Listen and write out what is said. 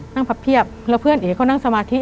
พับเพียบแล้วเพื่อนเอ๋เขานั่งสมาธิ